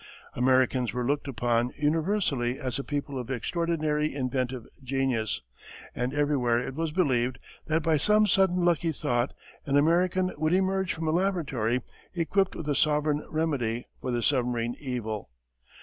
Americans were looked upon universally as a people of extraordinary inventive genius, and everywhere it was believed that by some sudden lucky thought an American would emerge from a laboratory equipped with a sovereign remedy for the submarine evil.